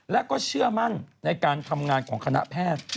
และก็เชื่อมั่นในการทำงานของคณะแพทย์